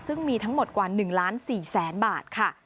ซึ่งมีทั้งหมดกว่า๑ล้าน๔แสนบาทค่ะ